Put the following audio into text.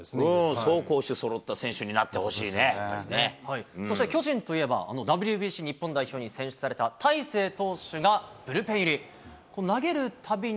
走攻守そろった選手になってそして巨人といえば、ＷＢＣ日本代表に選出された大勢投手がブルペン入り。